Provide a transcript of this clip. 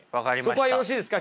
そこはよろしいですか